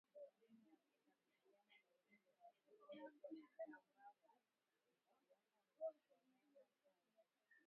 Namna ya kukabiliana na ugonjwa wa chambavu ni kuwapa wanyama chanjo